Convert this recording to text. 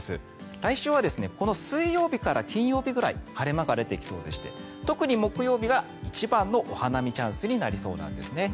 来週はこの水曜日から金曜日くらい晴れ間が出てきそうでして特に木曜日が一番のお花見チャンスになりそうなんですね。